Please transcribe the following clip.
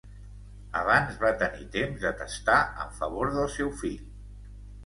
Abans va tenir temps de testar en favor del seu fill.